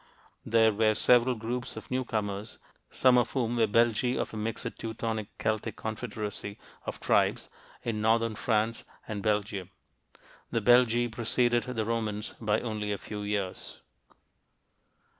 there were several groups of newcomers, some of whom were Belgae of a mixed Teutonic Celtic confederacy of tribes in northern France and Belgium. The Belgae preceded the Romans by only a few years.